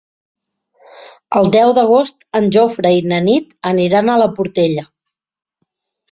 El deu d'agost en Jofre i na Nit aniran a la Portella.